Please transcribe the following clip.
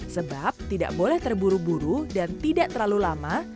sebab tidak boleh terburu buru dan tidak terlalu lama